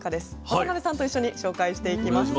渡辺さんと一緒に紹介していきます。